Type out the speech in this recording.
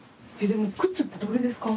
でも靴ってどれですか？